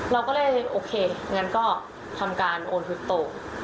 เราก็เลยโอเคงั้นก็ทำการโอนทุนโต